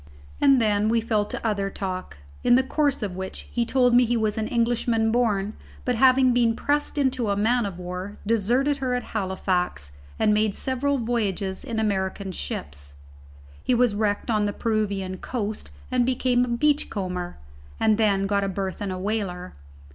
And then we fell to other talk; in the course of which he told me he was an Englishman born, but having been pressed into a man o war, deserted her at Halifax and made several voyages in American ships. He was wrecked on the Peruvian coast and became a beachcomber, and then got a berth in a whaler.